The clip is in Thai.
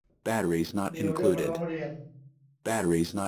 มีเรื่องร้องเรียน